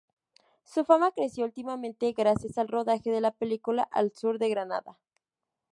Su fama creció últimamente gracias al rodaje de la película "Al sur de Granada".